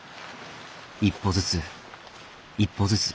一歩ずつ一歩ずつ。